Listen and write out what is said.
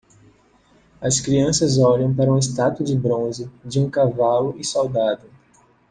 As crianças olham para uma estátua de bronze de um cavalo e soldado.